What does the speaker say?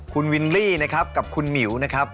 คุณวิลลี่นะครับกับคุณหมิวนะครับ